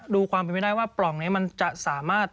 ดูความเป็นไม่ได้ว่าปล่องนี้มันจะสามารถ